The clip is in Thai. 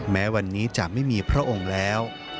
แม้วันนี้จะไม่มีพระองค์แล้ว